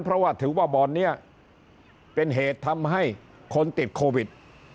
เพราะว่าถือว่าบ่อนนี้เป็นเหตุทำให้คนติดโควิด